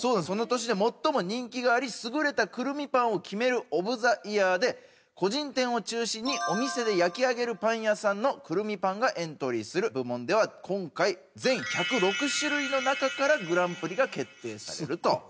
その年で最も人気があり優れたくるみパンを決めるオブ・ザ・イヤーで個人店を中心にお店で焼き上げるパン屋さんのくるみパンがエントリーする部門では今回全１０６種類の中からグランプリが決定すると。